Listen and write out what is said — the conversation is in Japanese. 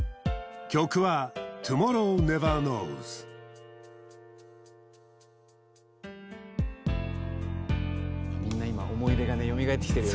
曲はみんな今思い出がねよみがえってきてるよ